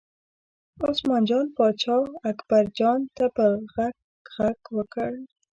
عثمان جان پاچا اکبرجان ته په غږ غږ وکړ.